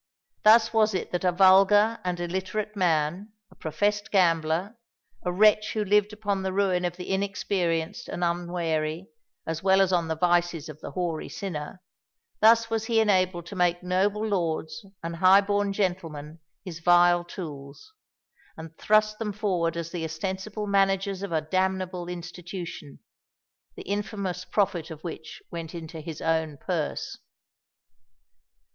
Thus was it that a vulgar and illiterate man—a professed gambler—a wretch who lived upon the ruin of the inexperienced and unwary, as well as on the vices of the hoary sinner,—thus was he enabled to make noble lords and high born gentlemen his vile tools, and thrust them forward as the ostensible managers of a damnable institution, the infamous profit of which went into his own purse!